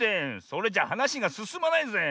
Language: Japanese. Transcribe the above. それじゃはなしがすすまないぜ。